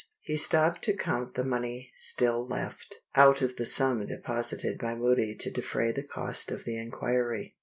He stopped to count the money still left, out of the sum deposited by Moody to defray the cost of the inquiry.